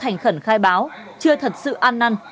thành khẩn khai báo chưa thật sự an năn